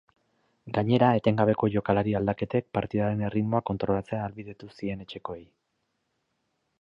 Gainera, etengabeko jokalari aldaketek partidaren erritmoa kontrolatzea ahalbidetu zien etxekoei.